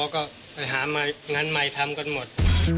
ก็ไปหามางานใหม่ทำกันหมด